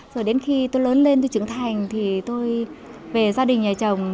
rồi đến khi tôi lớn lên tôi trưởng thành thì tôi về gia đình nhà chồng